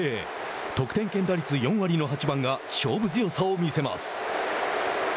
得点圏打率４割の８番が勝負強さを見せます。